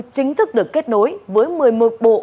chính thức được kết nối với một mươi một bộ